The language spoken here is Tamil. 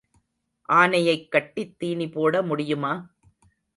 ஆனையைக் கட்டித் தீனி போட முடியுமா?